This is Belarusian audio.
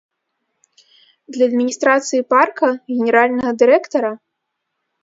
Для адміністрацыі парка, генеральнага дырэктара?